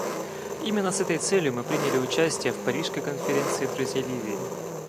Именно с этой целью мы приняли участие в парижской конференции друзей Ливии.